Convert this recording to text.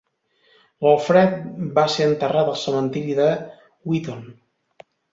L'Alfred va ser enterrat al cementiri de Wheaton.